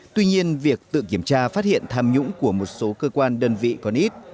tuy nhiên việc tự kiểm tra phát hiện tham nhũng của một số cơ quan đơn vị còn ít